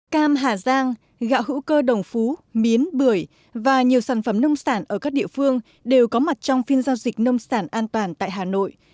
cam hà giang gạo hữu cơ đồng phú miến bưởi và nhiều sản phẩm nông sản ở các địa phương đều có mặt trong phiên giao dịch nông sản an toàn tại hà nội